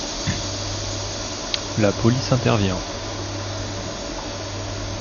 La police intervient.